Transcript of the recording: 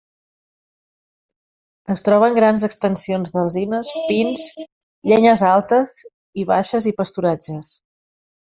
Es troben grans extensions d'alzines, pins, llenyes altes i baixes i pasturatges.